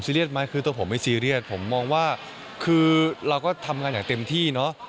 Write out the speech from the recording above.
เราก็ทำงานอย่างเต็มที่เนอะ